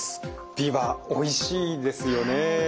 ビワおいしいですよね。